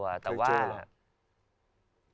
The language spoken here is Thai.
เค้าเจอปัญหาเหรอ